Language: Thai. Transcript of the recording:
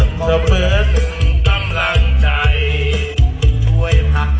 สุดสุขนะครับ